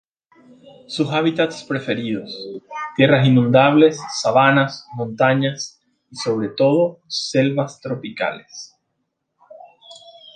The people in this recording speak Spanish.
Sus hábitats preferidos: tierras inundables, sabanas, montañas y, sobre todo, selvas tropicales.